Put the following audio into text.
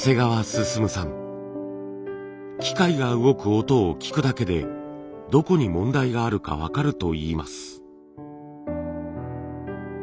機械が動く音を聞くだけでどこに問題があるか分かるといいます。